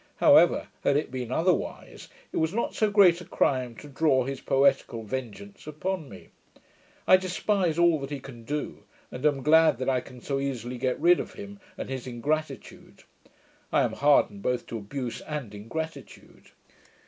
However, had it been otherwise, it was not so great a crime to draw his poetical vengeance upon me. I despise all that he can do, and am glad that I can so easily get rid of him and his ingratitude. I am hardened both to abuse and ingratitude.